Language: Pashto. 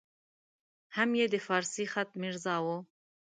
هم یې د فارسي خط میرزا وو.